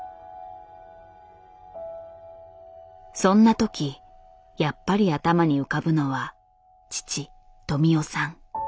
そんな時やっぱり頭に浮かぶのは父富夫さん。